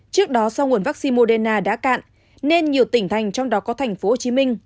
trước đó do nguồn vaccine moderna đã cạn nên nhiều tỉnh thành trong đó có thành phố hồ chí minh